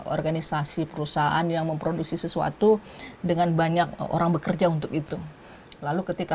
organisasi perusahaan yang memproduksi sesuatu dengan banyak orang bekerja untuk itu lalu ketika